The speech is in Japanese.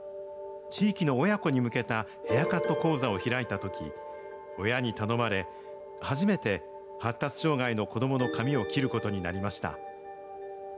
地域の親子に向けたヘアカット講座を開いたとき、親に頼まれ、初めて発達障害の子どもの髪を切ることになりました。